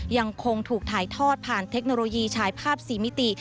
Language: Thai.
ยังคงถูกถ่ายทอดผ่านเทคโนโลยีฉายภาพ๔มิติ